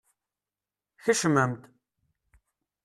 Kecmem-d!